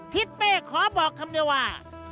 ทิศเป้ขอบอกคำเดียวว่า